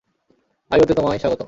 আইয়োতে তোমায় স্বাগতম।